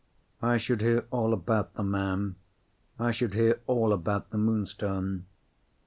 I should hear all about the man; I should hear all about the Moonstone.